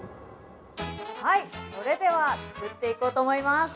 ◆それでは作っていこうと思います。